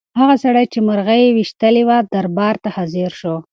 هغه سړی چې مرغۍ یې ویشتلې وه دربار ته حاضر شو.